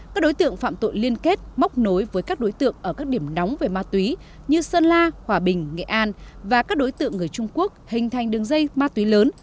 các đối tượng phạm tội liên kết móc nối với các đối tượng ở các điểm nóng về ma túy như sơn la hòa bình nghệ an và các đối tượng người trung quốc hình thành đường dây ma túy lớn